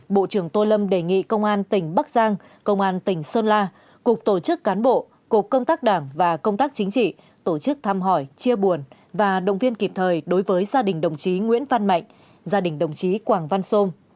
bộ trưởng tô lâm đề nghị công an tỉnh bắc giang công an tỉnh sơn la cục tổ chức cán bộ cục công tác đảng và công tác chính trị tổ chức thăm hỏi chia buồn và động viên kịp thời đối với gia đình đồng chí nguyễn phan mạnh gia đình đồng chí quảng văn sôm